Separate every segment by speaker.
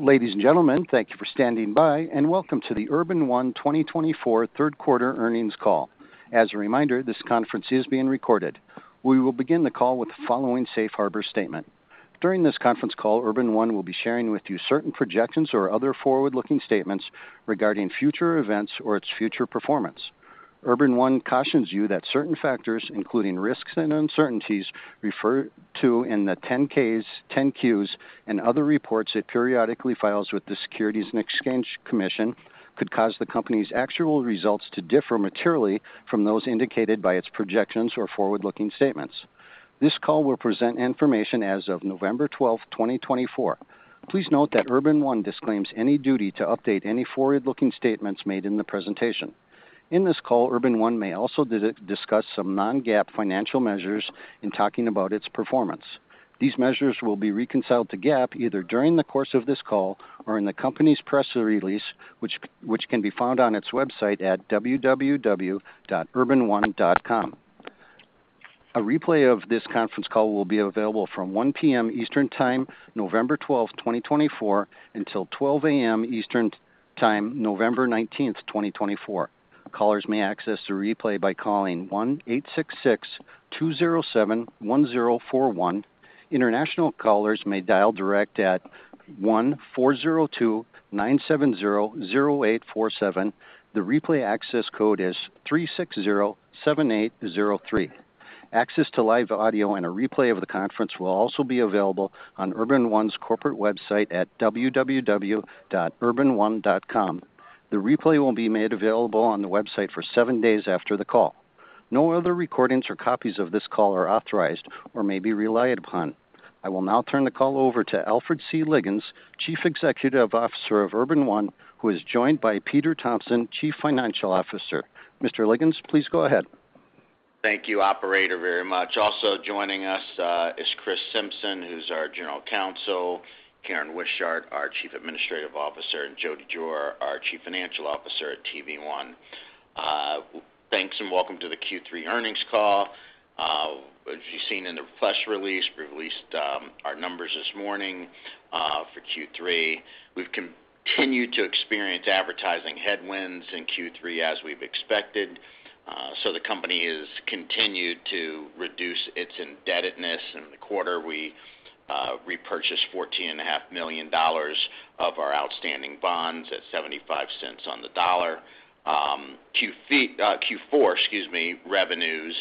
Speaker 1: Ladies and gentlemen, thank you for standing by, and welcome to the Urban One 2024 third quarter earnings call. As a reminder, this conference is being recorded. We will begin the call with the following safe harbor statement. During this conference call, Urban One will be sharing with you certain projections or other forward-looking statements regarding future events or its future performance. Urban One cautions you that certain factors, including risks and uncertainties, referred to in the 10-Ks, 10-Qs, and other reports it periodically files with the Securities and Exchange Commission, could cause the company's actual results to differ materially from those indicated by its projections or forward-looking statements. This call will present information as of November 12th, 2024. Please note that Urban One disclaims any duty to update any forward-looking statements made in the presentation. In this call, Urban One may also discuss some non-GAAP financial measures in talking about its performance. These measures will be reconciled to GAAP either during the course of this call or in the company's press release, which can be found on its website at www.urbanone.com. A replay of this conference call will be available from 1:00 P.M. Eastern Time, November 12th, 2024, until 12:00 A.M. Eastern Time, November 19th, 2024. Callers may access the replay by calling 1-866-207-1041. International callers may dial direct at 1-402-970-0847. The replay access code is 360-78-03. Access to live audio and a replay of the conference will also be available on Urban One's corporate website at www.urbanone.com. The replay will be made available on the website for seven days after the call. No other recordings or copies of this call are authorized or may be relied upon. I will now turn the call over to Alfred C. Liggins, Chief Executive Officer of Urban One, who is joined by Peter Thompson, Chief Financial Officer. Mr. Liggins, please go ahead.
Speaker 2: Thank you, Operator, very much. Also joining us is Chris Simpson, who's our General Counsel, Karen Wishart, our Chief Administrative Officer, and Jody Drewer, our Chief Financial Officer at TV One. Thanks and welcome to the Q3 earnings call. As you've seen in the press release, we released our numbers this morning for Q3. We've continued to experience advertising headwinds in Q3, as we've expected. So the company has continued to reduce its indebtedness. In the quarter, we repurchased $14.5 million of our outstanding bonds at 75 cents on the dollar. Q4, excuse me, revenues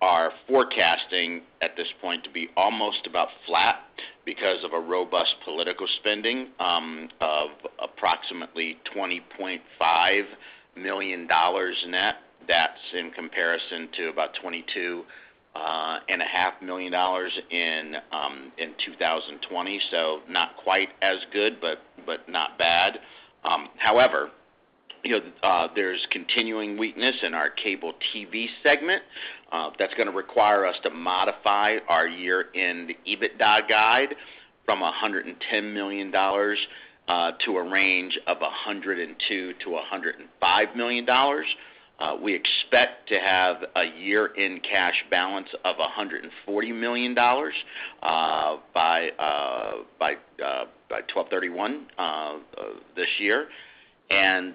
Speaker 2: are forecasting at this point to be almost about flat because of a robust political spending of approximately $20.5 million net. That's in comparison to about $22.5 million in 2020. So not quite as good, but not bad. However, there's continuing weakness in our cable TV segment. That's going to require us to modify our year-end EBITDA guide from $110 million to a range of $102-$105 million. We expect to have a year-end cash balance of $140 million by 12/31 this year. And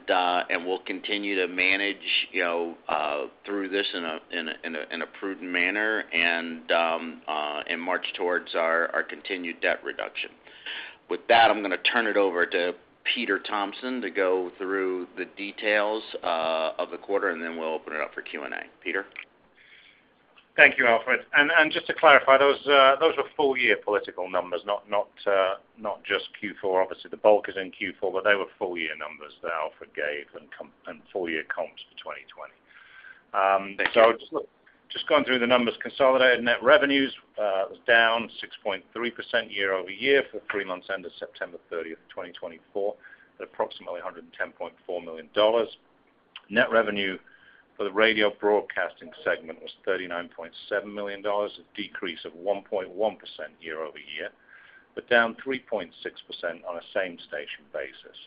Speaker 2: we'll continue to manage through this in a prudent manner and march towards our continued debt reduction. With that, I'm going to turn it over to Peter Thompson to go through the details of the quarter, and then we'll open it up for Q&A. Peter?
Speaker 3: Thank you, Alfred. Just to clarify, those were full-year political numbers, not just Q4. Obviously, the bulk is in Q4, but they were full-year numbers that Alfred gave and full-year comps for 2020. So just going through the numbers, consolidated net revenues was down 6.3% year over year for the three months end of September 30th, 2024, at approximately $110.4 million. Net revenue for the radio broadcasting segment was $39.7 million, a decrease of 1.1% year over year, but down 3.6% on a same-station basis.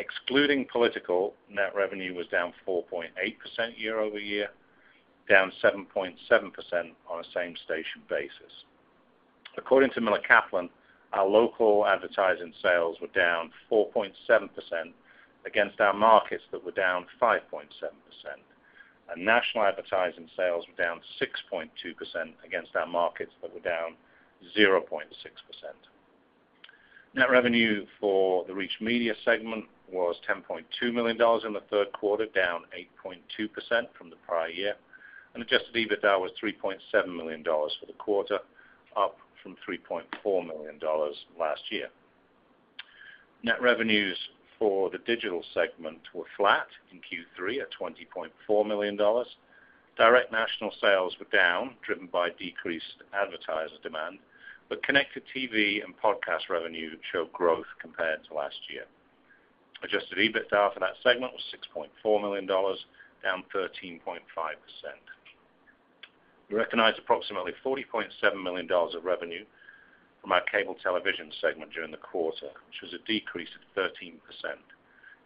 Speaker 3: Excluding political, net revenue was down 4.8% year over year, down 7.7% on a same-station basis. According to Miller Kaplan, our local advertising sales were down 4.7% against our markets that were down 5.7%. National advertising sales were down 6.2% against our markets that were down 0.6%. Net revenue for the Reach Media segment was $10.2 million in the third quarter, down 8.2% from the prior year. Adjusted EBITDA was $3.7 million for the quarter, up from $3.4 million last year. Net revenues for the digital segment were flat in Q3 at $20.4 million. Direct national sales were down, driven by decreased advertiser demand, but connected TV and podcast revenue showed growth compared to last year. Adjusted EBITDA for that segment was $6.4 million, down 13.5%. We recognized approximately $40.7 million of revenue from our cable television segment during the quarter, which was a decrease of 13%.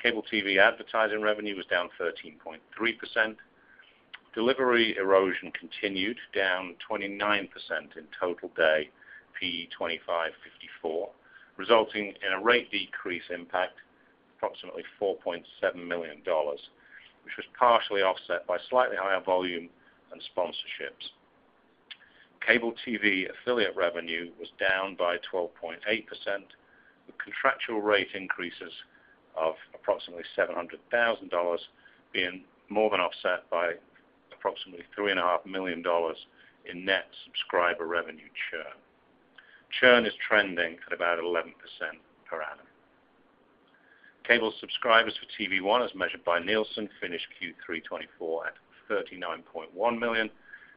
Speaker 3: Cable TV advertising revenue was down 13.3%. Delivery erosion continued, down 29% in total day P25-54, resulting in a rate decrease impact of approximately $4.7 million, which was partially offset by slightly higher volume and sponsorships. Cable TV affiliate revenue was down by 12.8%, with contractual rate increases of approximately $700,000 being more than offset by approximately $3.5 million in net subscriber revenue churn. Churn is trending at about 11% per annum. Cable subscribers for TV One as measured by Nielsen finished Q3 2024 at 39.1 million,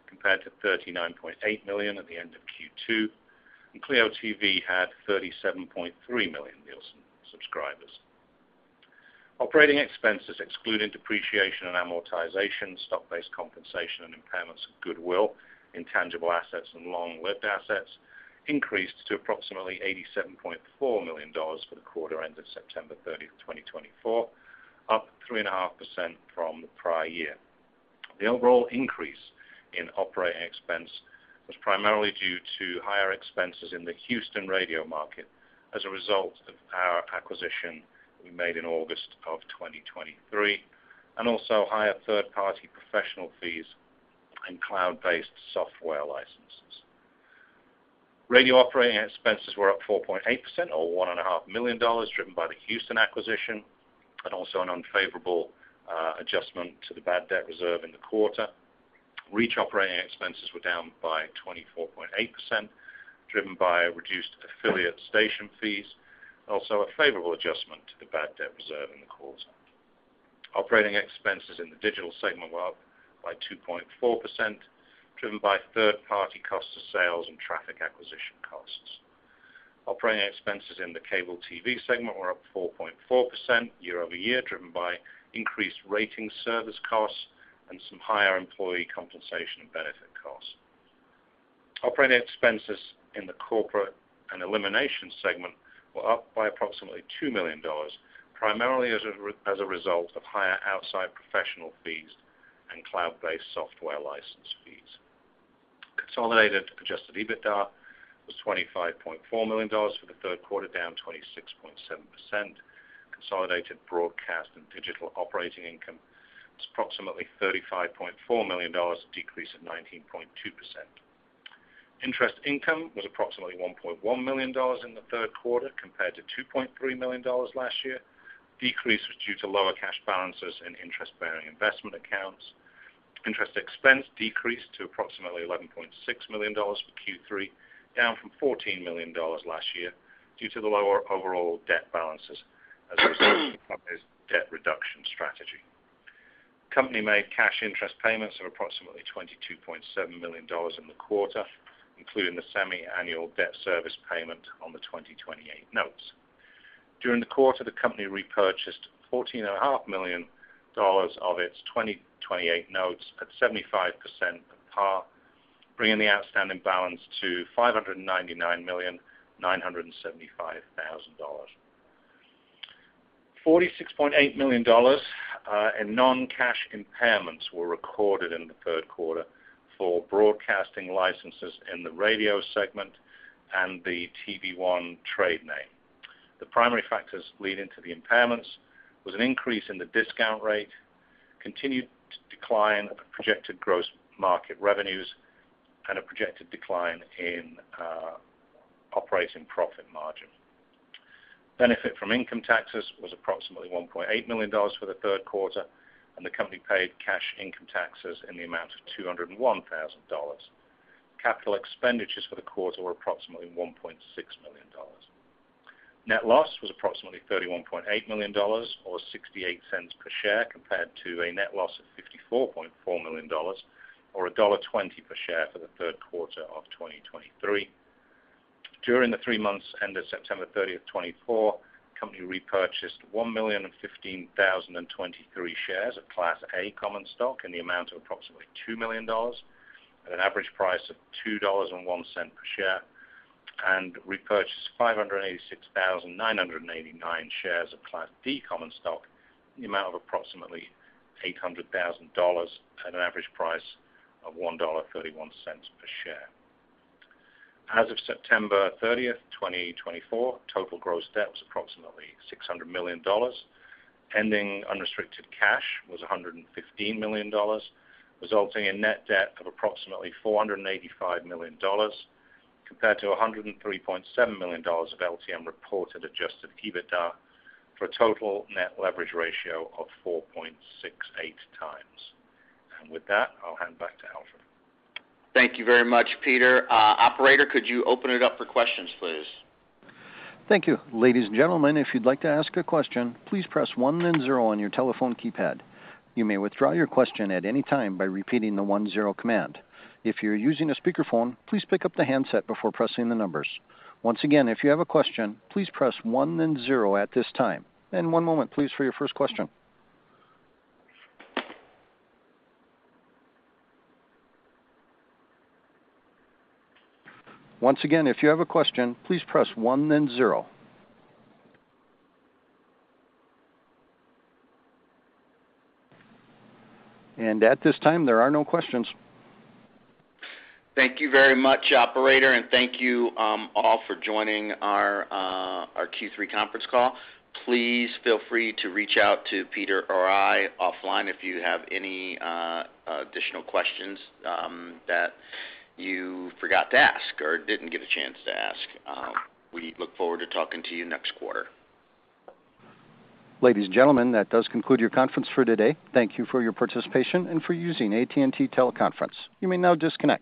Speaker 3: compared to 39.8 million at the end of Q2, and CLEO TV had 37.3 million Nielsen subscribers. Operating expenses, excluding depreciation and amortization, stock-based compensation and impairments of goodwill, intangible assets, and long-lived assets, increased to approximately $87.4 million for the quarter end of September 30th, 2024, up 3.5% from the prior year. The overall increase in operating expense was primarily due to higher expenses in the Houston radio market as a result of our acquisition we made in August of 2023, and also higher third-party professional fees and cloud-based software licenses. Radio operating expenses were up 4.8%, or $1.5 million, driven by the Houston acquisition and also an unfavorable adjustment to the bad debt reserve in the quarter. Reach operating expenses were down by 24.8%, driven by reduced affiliate station fees, also a favorable adjustment to the bad debt reserve in the quarter. Operating expenses in the digital segment were up by 2.4%, driven by third-party costs of sales and traffic acquisition costs. Operating expenses in the cable TV segment were up 4.4% year over year, driven by increased rating service costs and some higher employee compensation and benefit costs. Operating expenses in the corporate and elimination segment were up by approximately $2 million, primarily as a result of higher outside professional fees and cloud-based software license fees. Consolidated Adjusted EBITDA was $25.4 million for the third quarter, down 26.7%. Consolidated broadcast and digital operating income was approximately $35.4 million, decreased at 19.2%. Interest income was approximately $1.1 million in the third quarter, compared to $2.3 million last year. Decrease was due to lower cash balances in interest-bearing investment accounts. Interest expense decreased to approximately $11.6 million for Q3, down from $14 million last year due to the lower overall debt balances as a result of its debt reduction strategy. Company made cash interest payments of approximately $22.7 million in the quarter, including the semi-annual debt service payment on the 2028 notes. During the quarter, the company repurchased $14.5 million of its 2028 notes at 75% par, bringing the outstanding balance to $599,975,000. $46.8 million in non-cash impairments were recorded in the third quarter for broadcasting licenses in the radio segment and the TV One trade name. The primary factors leading to the impairments were an increase in the discount rate, continued decline of projected gross market revenues, and a projected decline in operating profit margin. Benefit from income taxes was approximately $1.8 million for the third quarter, and the company paid cash income taxes in the amount of $201,000. Capital expenditures for the quarter were approximately $1.6 million. Net loss was approximately $31.8 million, or $0.68 per share, compared to a net loss of $54.4 million, or $1.20 per share for the third quarter of 2023. During the three months ended September 30, 2024, the company repurchased 1,015,023 shares of Class A common stock in the amount of approximately $2 million, at an average price of $2.01 per share, and repurchased 586,989 shares of Class D common stock in the amount of approximately $800,000 at an average price of $1.31 per share. As of September 30th, 2024, total gross debt was approximately $600 million. Ending unrestricted cash was $115 million, resulting in net debt of approximately $485 million, compared to $103.7 million of LTM reported adjusted EBITDA for a total net leverage ratio of 4.68 times, and with that, I'll hand back to Alfred.
Speaker 2: Thank you very much, Peter. Operator, could you open it up for questions, please?
Speaker 1: Thank you. Ladies and gentlemen, if you'd like to ask a question, please press 1 and 0 on your telephone keypad. You may withdraw your question at any time by repeating the 1-0 command. If you're using a speakerphone, please pick up the handset before pressing the numbers. Once again, if you have a question, please press 1 and 0 at this time. And one moment, please, for your first question. Once again, if you have a question, please press 1 and 0. And at this time, there are no questions.
Speaker 2: Thank you very much, Operator, and thank you all for joining our Q3 conference call. Please feel free to reach out to Peter or I offline if you have any additional questions that you forgot to ask or didn't get a chance to ask. We look forward to talking to you next quarter.
Speaker 1: Ladies and gentlemen, that does conclude your conference for today. Thank you for your participation and for using AT&T Teleconference. You may now disconnect.